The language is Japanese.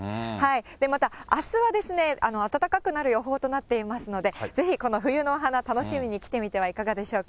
またあすは暖かくなる予報となっていますので、ぜひ、この冬のお花、楽しみに来てみてはいかがでしょうか。